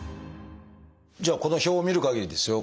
じゃあこの表を見るかぎりですよ